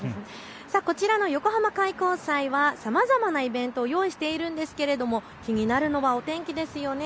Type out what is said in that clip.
こちらの横浜開港祭はさまざまなイベントを用意しているんですけれども気になるのはお天気ですよね。